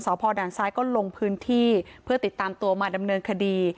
พ่อด่านซ้ายก็ลงพื้นที่เพื่อติดตามตัวมาดำเนินคดี